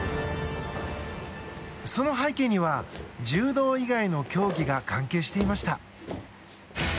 その背景には、柔道以外の競技が関係していました。